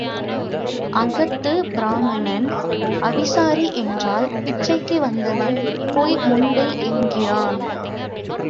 அகத்துப் பிராம்மணன் அவிசாரி என்றால் பிச்சைக்கு வந்தவன் பேய் முண்டை என்கிறான்.